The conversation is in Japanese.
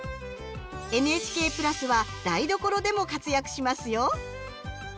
ＮＨＫ＋は台所でも活躍しますよ。